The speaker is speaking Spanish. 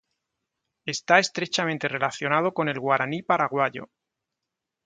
Está estrechamente relacionado con el guaraní paraguayo.